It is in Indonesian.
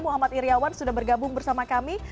muhammad iryawan sudah bergabung bersama kami